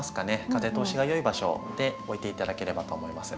風通しがよい場所で置いて頂ければと思います。